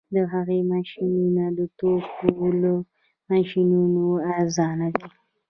د هغه ماشینونه د ټوکر له ماشینونو ارزانه دي